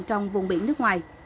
trong vùng biển nước ngoài